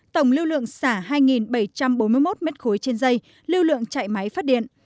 tổng lưu lượng xả hai bảy trăm bốn mươi một m ba trên dây lưu lượng chạy máy phát điện